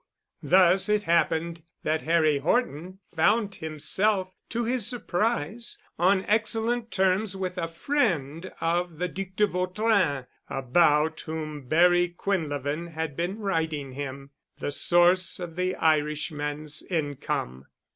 Thus it happened that Harry Horton found himself, to his surprise, on excellent terms with a friend of the Duc de Vautrin, about whom Barry Quinlevin had been writing him, the source of the Irishman's income.